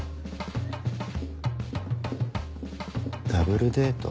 ダブルデート？